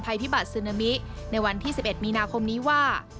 พิบัตรซึนามิในวันที่๑๑มีนาคมนี้ว่า